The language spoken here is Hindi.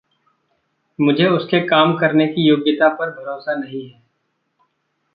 मुझे उसके काम करने की योग्यता पर भरोसा नहीं है।